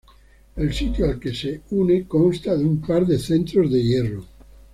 El sitio al que se une consta de un par de centros de hierro.